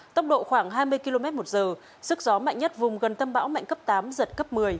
tốc độ khoảng hai mươi km một giờ sức gió mạnh nhất vùng gần tâm bão mạnh cấp tám giật cấp một mươi